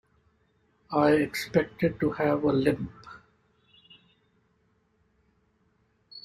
I expected to have a limp.